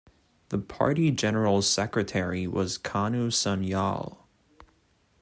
The party general secretary was Kanu Sanyal.